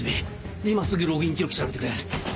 今すぐログイン記録調べてくれ。